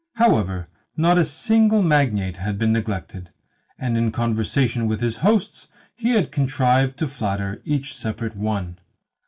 However, not a single magnate had been neglected, and in conversation with his hosts he had contrived to flatter each separate one.